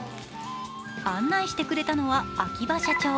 案内してくれたのは秋葉社長。